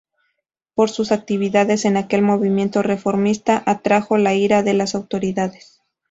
Por sus actividades en aquel movimiento reformista, atrajo la ira de las autoridades.